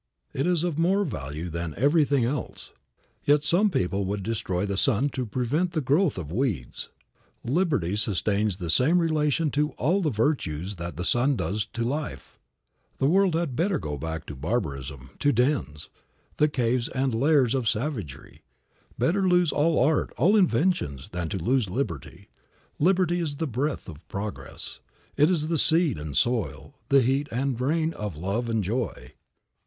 It is of more value than everything else. Yet some people would destroy the sun to prevent the growth of weeds. Liberty sustains the same relation to all the virtues that the sun does to life. The world had better go back to barbarism, to the dens, the caves and lairs of savagery; better lose all art, all inventions, than to lose liberty. Liberty is the breath of progress; it is the seed and soil, the heat and rain of love and joy.